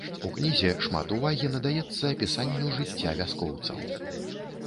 У кнізе шмат увагі надаецца апісанню жыцця вяскоўцаў.